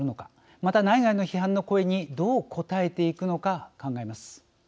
また、内外の批判の声にどう応えていくのか考えます。